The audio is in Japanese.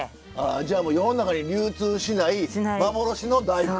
じゃあもう世の中に流通しない幻の大福。